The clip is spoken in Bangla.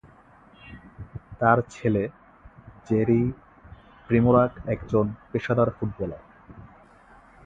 তার ছেলে জেরি প্রিমোরাক একজন পেশাদার ফুটবলার।